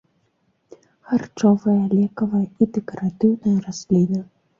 Харчовая, лекавая і дэкаратыўная расліна.